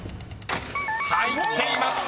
［入っていました！